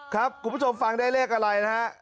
ครับกลุ่มผู้ชมฟังได้เลขอะไรนะครับ